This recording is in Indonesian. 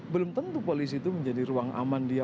belum tentu polisi itu menjadi ruang aman dia